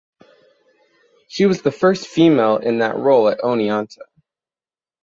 She was the first female in that role at Oneonta.